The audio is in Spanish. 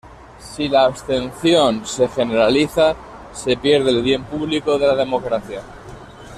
Si la abstención se generaliza se pierde el bien público de la democracia.